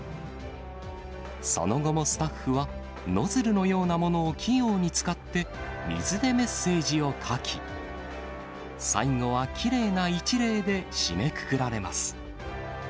その後もスタッフは、ノズルのようなものを器用に使って、水でメッセージを書き、最後はきれいな一礼で締めくくられます。